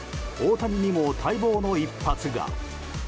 大谷にも待望の一発が。